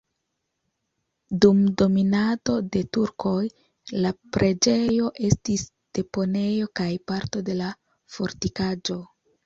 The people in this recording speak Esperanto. Dum dominado de turkoj la preĝejo estis deponejo kaj parto de la fortikaĵo.